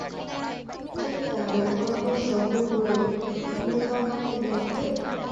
Chết cả đống còn hơn sống một người: nêu cao tinh thần đoàn kết